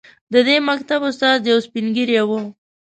د دې مکتب استاد یو سپین ږیری و.